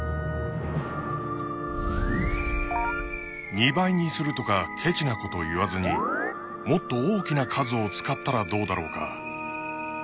２倍にするとかケチなこと言わずにもっと大きな数を使ったらどうだろうか。